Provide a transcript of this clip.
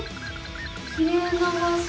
きれいな場しょ！